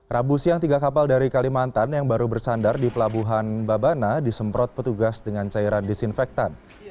rabu siang tiga kapal dari kalimantan yang baru bersandar di pelabuhan babana disemprot petugas dengan cairan disinfektan